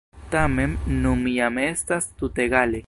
Tamen, nun jam estas tutegale.